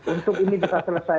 untuk ini bisa selesai